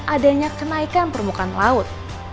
adanya kenaikan permukaan laut